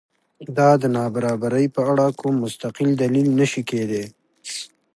دا د نابرابرۍ په اړه کوم مستقل دلیل نه شي کېدای.